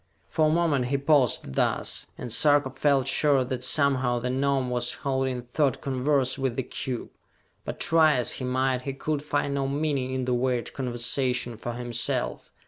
For a moment he paused thus, and Sarka felt sure that somehow the Gnome was holding thought converse with the cube; but, try as he might, he could find no meaning in the weird conversation for himself.